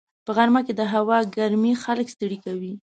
په غرمه کې د هوا ګرمي خلک ستړي کوي